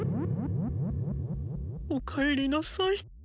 おかえりなさい。